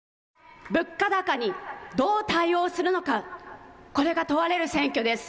物価高にどう対応するのか、これが問われる選挙です。